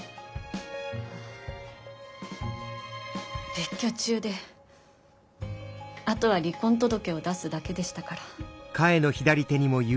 別居中であとは離婚届を出すだけでしたから。